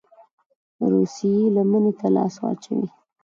روسيې لمني ته لاس واچوي.